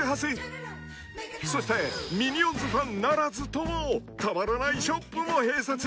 ［そしてミニオンズファンならずともたまらないショップも併設］